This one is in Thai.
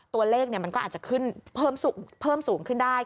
ตัวเลขมันก็อาจจะขึ้นเพิ่มสูงขึ้นได้